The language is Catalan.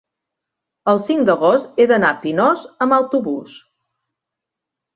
el cinc d'agost he d'anar a Pinós amb autobús.